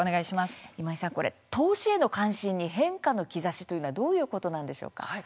今井さん、投資への関心に変化の兆しというのはどういうことなんでしょうか。